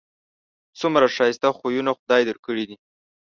څومره ښایسته خویونه خدای در کړي دي